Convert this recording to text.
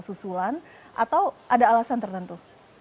susulan atau ada alasan tertentu